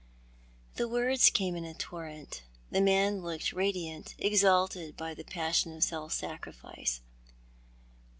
" The words carao in a torrent. The man looked radiant, exalted by the passion of self sacrifice.